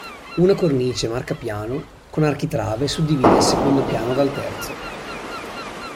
Una cornice marcapiano con architrave suddivide il secondo piano dal terzo.